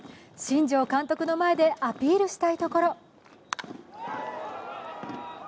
新庄監督の前でアピールしたいところ。